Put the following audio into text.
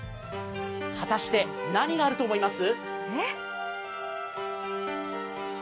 果たして、何があると思います？